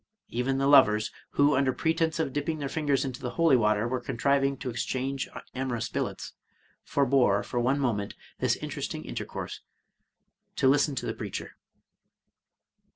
Even the lovers, who, under pretense of dipping their fingers into the holy water, were contriving to exchange amorous billets, forbore for one moment this interesting intercourse, to listen to the preacher.